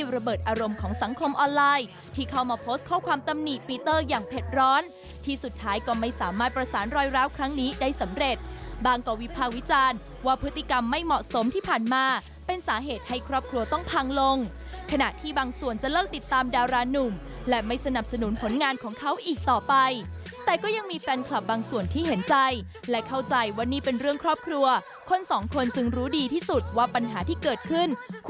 รอยราวครั้งนี้ได้สำเร็จบางตัววิภาวิจารณ์ว่าพฤติกรรมไม่เหมาะสมที่ผ่านมาเป็นสาเหตุให้ครอบครัวต้องพังลงขณะที่บางส่วนจะเลิกติดตามดาราหนุ่มและไม่สนับสนุนผลงานของเขาอีกต่อไปแต่ก็ยังมีแฟนคลับบางส่วนที่เห็นใจและเข้าใจวันนี้เป็นเรื่องครอบครัวคนสองคนจึงรู้ดีที่สุดว่าปัญหาที่เกิดขึ